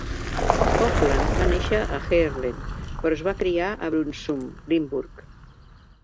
Hofland va néixer a Heerlen, però es va criar a Brunssum, Limburg.